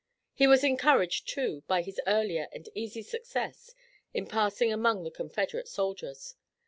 He was encouraged, too, by his earlier and easy success in passing among the Confederate soldiers.